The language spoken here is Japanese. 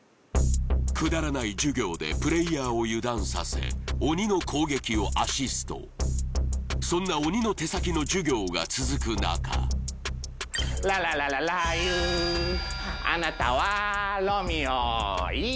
くだらない授業でプレイヤーを油断させ鬼の攻撃をアシストそんな鬼の手先の授業が続く中ラララララー油あなたはロミオいいえヨシオ